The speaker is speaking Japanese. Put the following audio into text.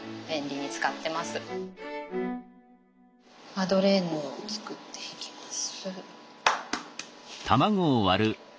マドレーヌを作っていきます。